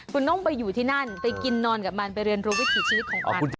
คุณต้องไปอยู่ที่นั่นไปกินนอนกับมันไปเรียนรู้วิถีชีวิตของมัน